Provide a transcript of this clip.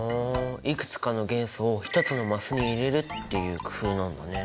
いくつかの元素を一つのマスに入れるっていう工夫なんだね。